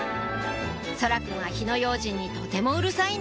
蒼空くんは火の用心にとてもうるさいんです